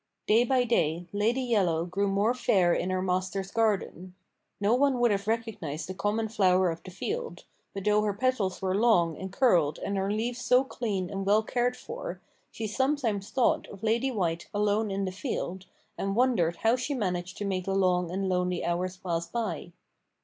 Day by day Lady Yellow grew more fair in her master's garden. No one would have recognized the common flower of the field, but though her petals were long and curled and her leaves so clean and well cared for, she sometimes thought of Lady White alone in the field, and wondered how she managed to make the long and lonely hours pass by.